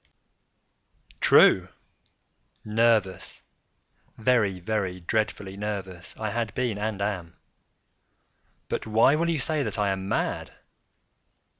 True!—nervous—very, very dreadfully nervous I had been and am; but why will you say that I am mad?